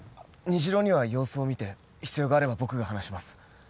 虹朗には様子を見て必要があれば僕が話します